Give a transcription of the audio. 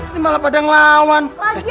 ini malah pada ngelawan